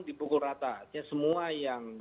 di pukul rata semua yang